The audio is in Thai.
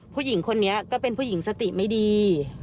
ผู้หญิงคนนี้ก็เป็นผู้หญิงสติไม่ดี